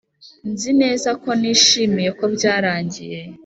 nzi neza ko nishimiye ko byarangiye